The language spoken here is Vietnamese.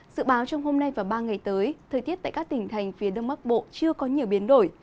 dự báo trong hôm nay và ba ngày tới thời tiết tại các tỉnh thành phía đông bắc bộ chưa có nhiều biến đổi